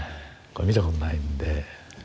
これ見たことないんで。